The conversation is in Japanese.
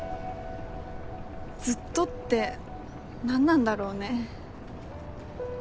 ずっとって何なんだろうね